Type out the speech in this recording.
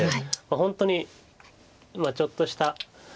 本当に今ちょっとしたことで。